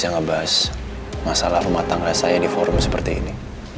saya nggak bisa membahas masalah pematang relat saya di forum seperti ini